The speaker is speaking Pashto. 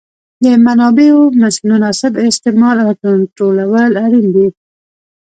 د منابعو مناسب استعمال او کنټرولول اړین دي.